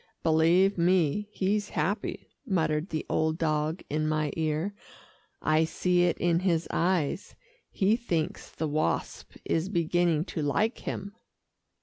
"Believe me, he's happy," muttered the old dog in my ear. "I see it in his eyes. He thinks the Wasp is beginning to like him."